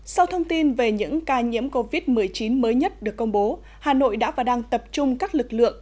sau thông tin về những ca nhiễm covid một mươi chín mới nhất được công bố hà nội đã và đang tập trung các lực lượng